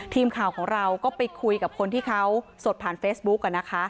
ทีมข่าวของเราก็ไปคุยกับคนที่เขาสดผ่านเฟซบุ๊ก